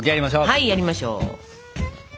はいやりましょう！